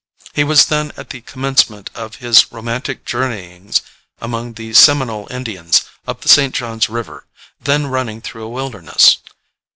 He was then at the commencement of his romantic journeyings among the Seminole Indians up the St. John's River, then running through a wilderness.